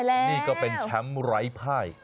นี่ก็เป็นแชมป์ไร้ภาย